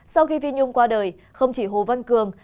sau khi vi nhung qua đời không chỉ hồ văn cường